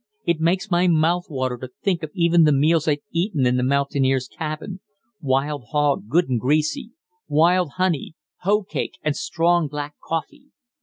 It makes my mouth water to think of even the meals I've eaten in the mountaineers' cabins wild hog, good and greasy; wild honey, hoecake, and strong black coffee.